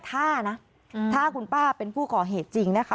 ถ้านะถ้าคุณป้าเป็นผู้ก่อเหตุจริงนะคะ